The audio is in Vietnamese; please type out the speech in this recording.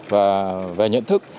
và về nhận thức